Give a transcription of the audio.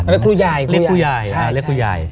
เรียกครูใหญ่ครูใหญ่ใช่